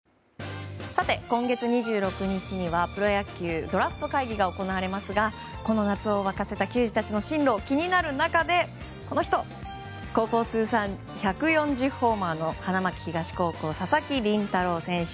今月２６日にはプロ野球ドラフト会議が行われますがこの夏を沸かせた球児たちの進路が気になる中でこの人、高校通算１４０ホーマーの花巻東高校佐々木麟太郎選手。